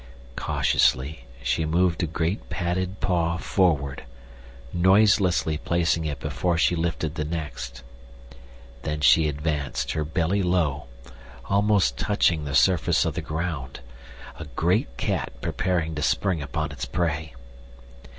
Cautiously she moved a great padded paw forward, noiselessly placing it before she lifted the next. Thus she advanced; her belly low, almost touching the surface of the ground—a great cat preparing to spring upon its prey.